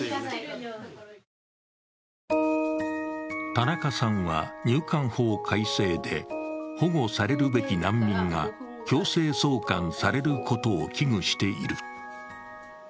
田中さんは入管法改正で保護されるべき難民が強制送還されることを危惧している。